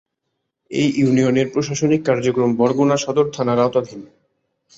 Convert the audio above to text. এ ইউনিয়নের প্রশাসনিক কার্যক্রম বরগুনা সদর থানার আওতাধীন।